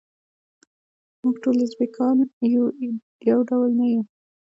موږ ټول ازبیکان یو ډول نه یوو.